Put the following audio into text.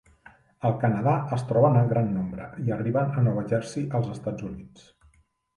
Al Canadà es troben en gran nombre i arriben a Nova Jersey als Estats Units.